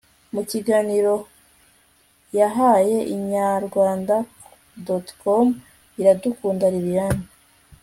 mu kiganiro yahaye inyarwanda.com iradukunda liliane